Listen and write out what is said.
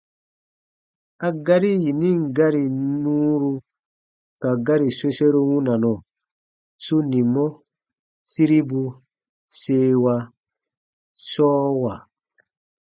A gari yari yinin gari nuuru ka gari soseru wunanɔ: sunimɔ- siribu- seewa- sɔɔwa.